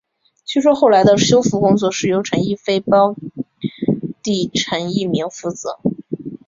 据说后来的修复工作是由陈逸飞胞弟陈逸鸣负责。